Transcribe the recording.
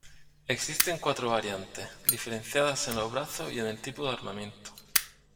Existen cuatro variantes, diferenciadas en los brazos y en el tipo de armamento.